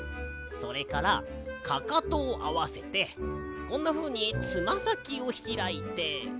それからかかとをあわせてこんなふうにつまさきをひらいて。